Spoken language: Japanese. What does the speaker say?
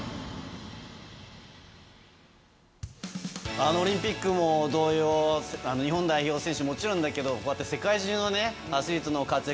あのオリンピックも同様日本代表選手ももちろんだけど世界中のアスリートの活躍